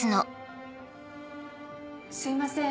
すいません。